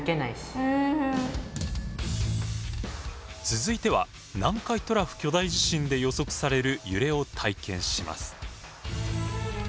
続いては南海トラフ巨大地震で予測される揺れを体験します。